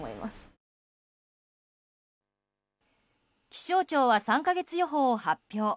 気象庁は３か月予報を発表。